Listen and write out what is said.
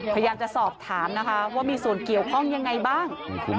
พยายามจะสอบถามนะคะว่ามีส่วนเกี่ยวข้องยังไงบ้าง